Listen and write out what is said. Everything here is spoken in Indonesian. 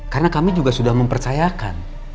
karena kami juga sudah mempercayakan